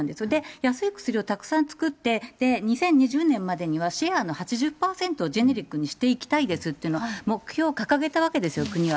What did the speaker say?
安い薬をたくさん作って、２０２０年までにはシェアの８０％をジェネリックにしていきたいですという目標を掲げたわけですよ、国は。